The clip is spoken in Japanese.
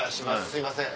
すいません。